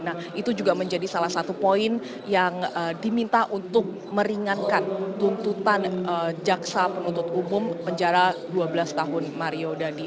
nah itu juga menjadi salah satu poin yang diminta untuk meringankan tuntutan jaksa penuntut umum penjara dua belas tahun mario dandi